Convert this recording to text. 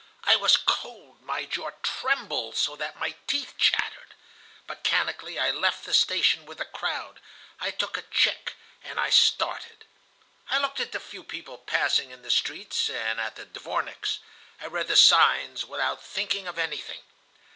I was cold, my jaw trembled so that my teeth chattered. Mechanically I left the station with the crowd, I took a tchik, and I started. I looked at the few people passing in the streets and at the dvorniks. I read the signs, without thinking of anything.